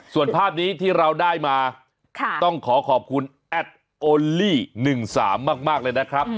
ส่วนภาพนี้ที่เราได้มาต้องขอขอบคุณแอดโอลี่๑๓มากเลยนะครับ